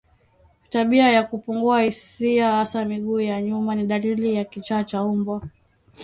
Tabia ya kupungua hisia hasa miguu ya nyuma ni dalili ya kichaa cha mbwa